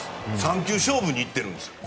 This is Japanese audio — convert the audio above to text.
３球勝負にいっているんです。